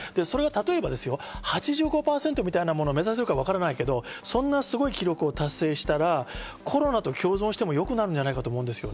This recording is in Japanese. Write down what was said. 例えば８５％みたいなものを目指せるかわからないけど、そんなすごい記録を達成したらコロナと共存してもよくなるんじゃないかと思う。